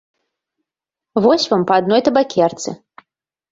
Вось вам па адной табакерцы!